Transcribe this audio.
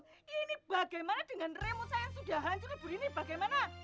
ini bagaimana dengan remote saya yang sudah hancur lebur ini bagaimana